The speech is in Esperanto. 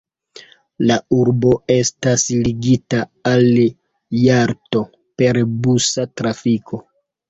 La urbo estas ligita al Jalto per busa trafiko.